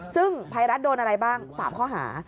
ซึ่งภัยรัฐโดนอะไรบ้าง๓ข้อหา